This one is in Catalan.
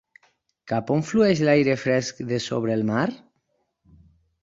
Cap on flueix l'aire fresc de sobre el mar?